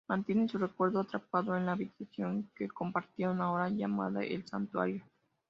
Mantiene su recuerdo atrapado en la habitación que compartieron, ahora llamada El Santuario.